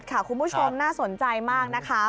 หน้า๗ค่ะคุณผู้ชมน่าสนใจมากนะคะ